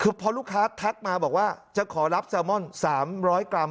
คือพอลูกค้าทักมาบอกว่าจะขอรับแซลมอน๓๐๐กรัม